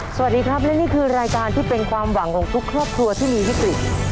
สวัสดีครับและนี่คือรายการที่เป็นความหวังของทุกครอบครัวที่มีวิกฤต